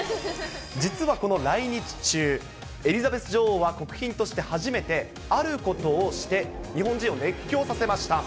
実はこの来日中、エリザベス女王は国賓として初めて、あることをして日本人を熱狂させました。